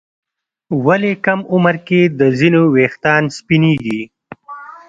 ولې کم عمر کې د ځینو ويښتان سپینېږي؟